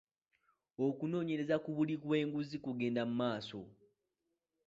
Okunoonyereza ku buli bw'enguzi kugenda mu maaso.